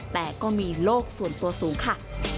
แต่ก็มีโลกส่วนตัวสูงค่ะ